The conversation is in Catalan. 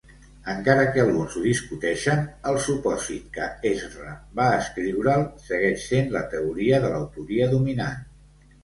Encara que alguns ho discuteixen, el supòsit que Ezra va escriure'l segueix sent la teoria de l'autoria dominant.